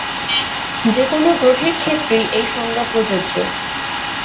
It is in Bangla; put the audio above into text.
যেকোন গ্রহের ক্ষেত্রেই এই সংজ্ঞা প্রযোজ্য।